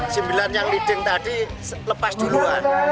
sembilan yang leading tadi lepas duluan